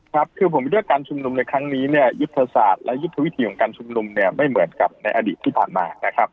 ครับคือผมคิดว่าการชุมนุมในครั้งนี้เนี่ยยุทธศาสตร์และยุทธวิธีของการชุมนุมเนี่ยไม่เหมือนกับในอดีตที่ผ่านมานะครับ